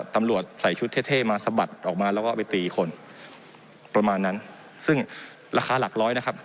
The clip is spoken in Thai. ตำรวจใส่ชุดเท่เท่มาสะบัดออกมาแล้วก็ไปตีคนประมาณนั้นซึ่งราคาหลักร้อยนะครับ